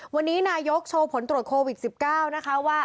วันนี้นายกโชว์ผลตรวจโควิด๑๙นะคะว่า